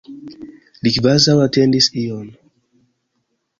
Li kvazaŭ atendis ion.